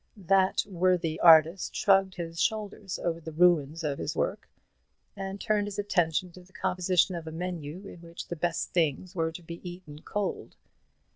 That worthy artist shrugged his shoulders over the ruins of his work, and turned his attention to the composition of a menu in which the best things were to be eaten cold.